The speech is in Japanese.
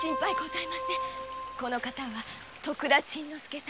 この方は徳田新之助様